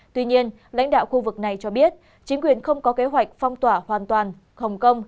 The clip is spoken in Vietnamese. tuy nhiên lãnh đạo khu vực này cho biết chính quyền không có kế hoạch phong tỏa hoàn toàn hồng kông